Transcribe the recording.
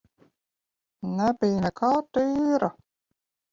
Nebija nekā tīra.